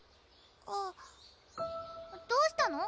あっどうしたの？